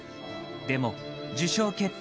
でも受賞決定